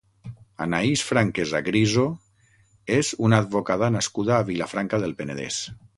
Anaïs Franquesa Griso és una advocada nascuda a Vilafranca del Penedès.